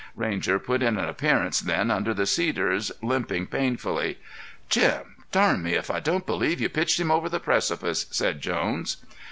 Ranger put in an appearance then under the cedars limping painfully. "Jim, darn me, if I don't believe you pitched him over the precipice!" said Jones.